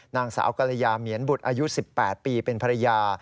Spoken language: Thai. นางสาวกรยาเหมียนบุตรอายุ๑๘ปีเป็นภรรยา